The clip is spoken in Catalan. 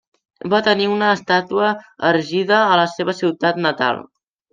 Va tenir una estàtua erigida a la seva ciutat natal.